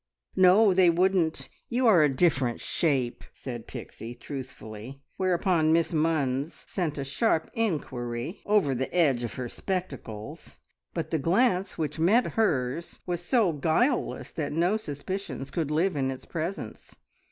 "No, they wouldn't. You are a different shape," said Pixie truthfully, whereupon Miss Munns sent a sharp inquiry over the edge of her spectacles, but the glance which met hers was so guileless that no suspicions could live in its presence.